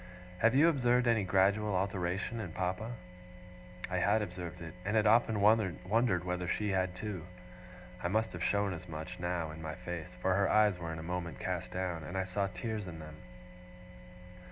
Have you observed any gradual alteration in Papa?' I had observed it, and had often wondered whether she had too. I must have shown as much, now, in my face; for her eyes were in a moment cast down, and I saw tears in them.